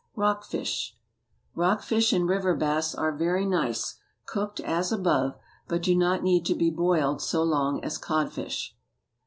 ROCK FISH. Rock fish and river bass are very nice, cooked as above, but do not need to be boiled so long as codfish.